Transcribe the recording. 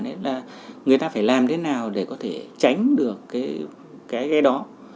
đấy là người ta phải làm thế nào để có thể tránh được cái ghe đó